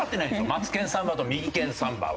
『マツケンサンバ』と「右ケンサンバ」は。